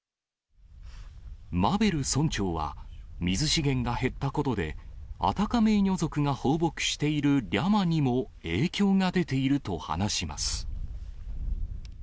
マベル村長は、水資源が減ったことで、アタカメーニョ族が放牧しているリャマにも影響が出ていると話します。